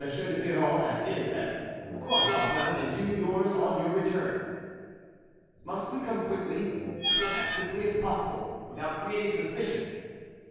de Biron his at the Croix Faubin, and you yours on your return." "Must we come quickly?" "As quickly as possible, without creating suspicion.